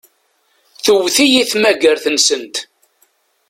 Tewwet-iyi tmagart-nsent.